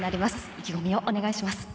意気込みをお願いします。